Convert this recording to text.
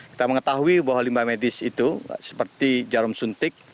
kita mengetahui bahwa limbah medis itu seperti jarum suntik